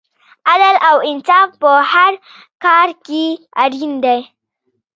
عدل او انصاف په هر کار کې اړین دی.